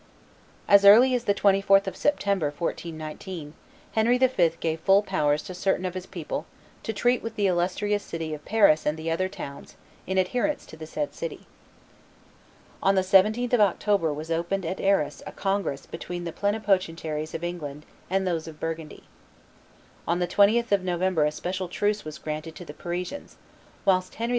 As early as the 24th of September, 1419, Henry V. gave full powers to certain of his people to treat "with the illustrious city of Paris and the other towns in adherence to the said city." On the 17th of October was opened at Arras a congress between the plenipotentiaries of England and those of Burgundy. On the 20th of November a special truce was granted to the Parisians, whilst Henry V.